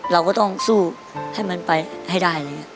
เราก็ต้องสู้ให้มันไปให้ได้